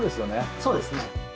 そうですね。